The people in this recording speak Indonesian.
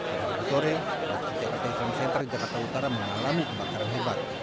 pada pagi sore masjid jakarta islam center di jakarta utara mengalami kebakaran hebat